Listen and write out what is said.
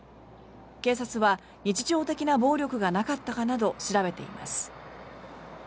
警察は日常的な暴力がなかったかなど調べています。